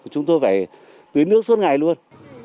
chúng tôi phải tưới nước suốt ngày luôn